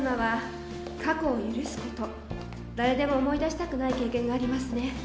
誰でも思い出したくない経験がありますね